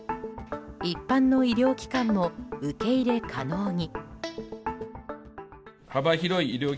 一般の医療機関も受け入れ可能に。